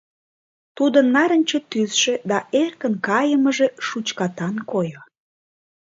Тудын нарынче тӱсшӧ да эркын кайымыже шучкатан койо.